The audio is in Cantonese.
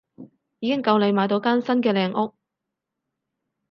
已經夠你買到間新嘅靚屋